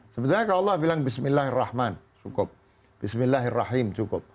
sebenarnya kalau allah bilang bismillahirrahman cukup bismillahirrahim cukup